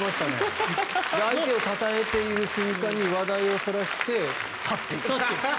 相手をたたえている瞬間に話題をそらして去っていく。